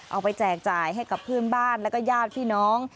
แจกจ่ายให้กับเพื่อนบ้านแล้วก็ญาติพี่น้อง